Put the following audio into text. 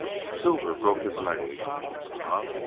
"Silver broke his leg." "Huh.